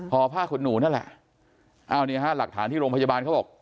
ผ้าขนหนูนั่นแหละอ้าวเนี่ยฮะหลักฐานที่โรงพยาบาลเขาบอก